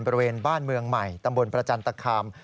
บริเวณบ้านเมืองใหม่ตำบลประจันตคาม